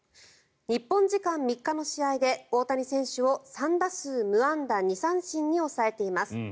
日本時間３日の試合で大谷選手を３打数無安打２三振に抑えています。